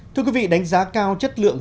thưa quý vị đánh giá cao chất lượng